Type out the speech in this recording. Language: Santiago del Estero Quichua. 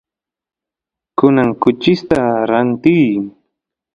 kunan kuchista rantiy